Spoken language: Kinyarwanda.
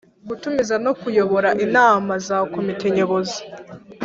Gutumiza no Kuyobora inama za Komite Nyobozi